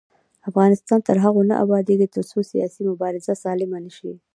افغانستان تر هغو نه ابادیږي، ترڅو سیاسي مبارزه سالمه نشي.